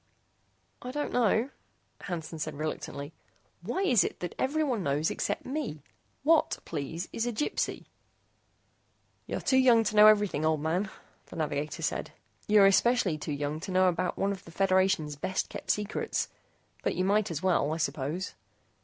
"I don't know," Hansen said reluctantly. "Why is it that everyone knows except me? What, please, is a Gypsy?" "You're too young to know everything, old man," the navigator said. "You're especially too young to know about one of the Federation's best kept secrets. But you might as well, I suppose.